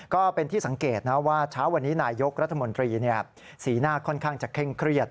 ก็เป็นที่สังเกตนะว่าเช้าวันนี้นายยกรัฐมนตรีสีหน้าค่อนข้างจะเคร่งเครียด